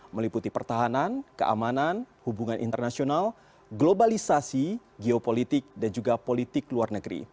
meliputi pertahanan keamanan hubungan internasional globalisasi geopolitik dan juga politik luar negeri